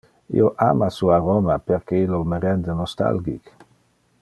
Io ama su aroma perque illo me rende nostalgic.